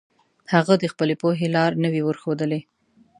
هغه د خپلې پوهې لار نه وي ورښودلي.